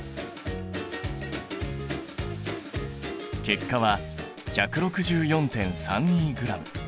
結果は１６４．３２ｇ。